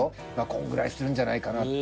こんぐらいするんじゃないかな。